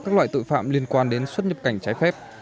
các loại tội phạm liên quan đến xuất nhập cảnh trái phép